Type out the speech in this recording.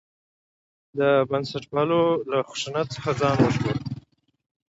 د بنسټپالو له خشونت څخه ځان وژغوري.